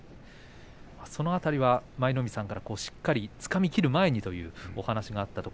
その辺り、舞の海さんもしっかりつかみきれないというお話がありました。